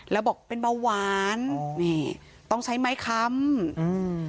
แล้วบอกเป็นเบาหวานนี่ต้องใช้ไม้ค้ำอืม